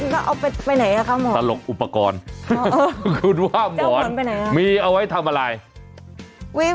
ถ้าเอาไปไหนล่ะค่ะหมอนคุณว่าหมอนมีเอาไว้ทำอะไร